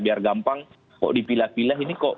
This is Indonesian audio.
biar gampang kok dipilah pilah ini kok